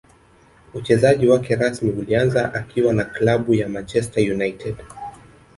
Uchezaji wake rasmi ulianza akiwa na klabu ya Manchester united